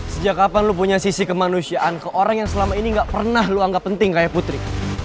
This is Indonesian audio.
sejak kapan lu punya sisi kemanusiaan ke orang yang selama ini gak pernah lu anggap penting kayak putri